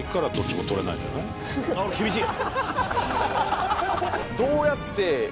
あっ厳しい。